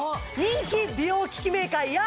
人気美容機器メーカー